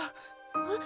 えっ？